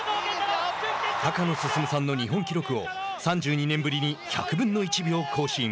高野進さんの日本記録を３２年ぶりに１００分の１秒更新。